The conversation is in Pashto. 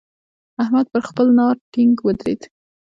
احمد پر خپل ناړ ټينګ ودرېد.